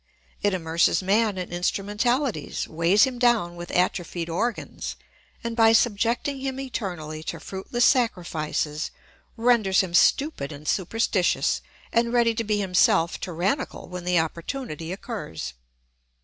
It immerses man in instrumentalities, weighs him down with atrophied organs, and by subjecting him eternally to fruitless sacrifices renders him stupid and superstitious and ready to be himself tyrannical when the opportunity occurs.